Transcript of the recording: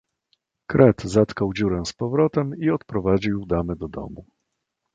"Kret zatkał dziurę z powrotem i odprowadził damy do domu."